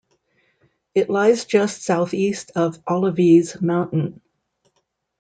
It lies just South-East of Olivee's Mountain.